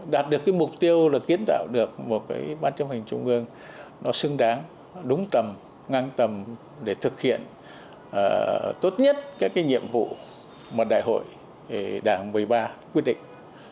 đạt được cái mục tiêu là kiến tạo được một cái ban chấp hành trung ương nó xứng đáng đúng tầm ngang tầm để thực hiện tốt nhất các cái nhiệm vụ mà đại hội đảng một mươi ba quyết định